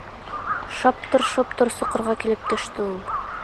Шаптыр-шоптор соҡорға килеп төштө ул.